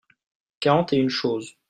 quarante et une choses.